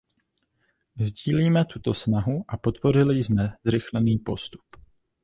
Sdílíme tuto snahu a podpořili jsme zrychlený postup.